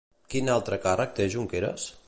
Quin altre càrrec té Junqueras?